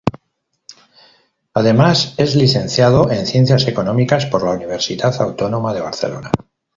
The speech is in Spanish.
Además, es licenciado en Ciencias Económicas por la Universidad Autónoma de Barcelona.